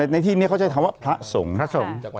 ในที่นี้เขาใช้คำว่าพระสงฆ์